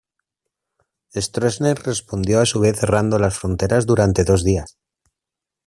Stroessner respondió a su vez cerrando las fronteras durante dos días.